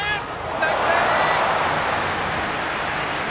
ナイスプレー！